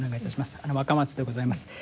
若松でございます。